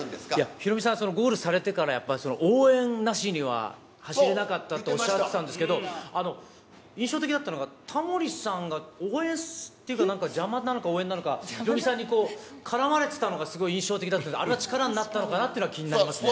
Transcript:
ヒロミさん、ゴールされてからやっぱり応援なしには、走れなかったっておっしゃってたんですけど、印象的だったのが、タモリさんが応援っていうか、なんか邪魔なのか、応援なのか、ヒロミさんに絡まれてたのが、すごい印象的だったんですけど、あれは力になったのかなっていうのは気になりますね。